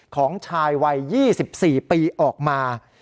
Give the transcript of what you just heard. ของชายวัย๒๔ปีออกมา